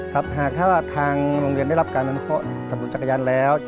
ครับหากถ้าว่าทางโรงเรียนได้รับการนั้นเพราะสนุนจักรยานแล้ว